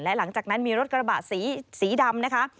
และหลังจากนั้นมีรถกระบะสีดำนะคะ